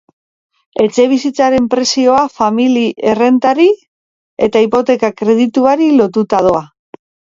Etxebizitzaren prezioa famili errentari eta hipoteka-kredituari lotuta doa.